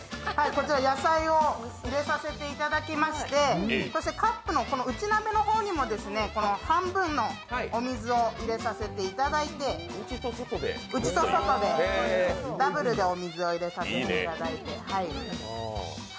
こちら、野菜を入れさせていただきまして、そしてカップの、内鍋の方にも半分のお水を入れさせていただいて内と外で、ダブルでお水を入れさせていただいて。